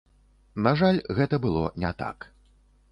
На жаль, гэта было не так.